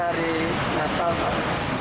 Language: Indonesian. hari natal pak